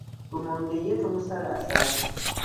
Lumonde ye tumusalaasala.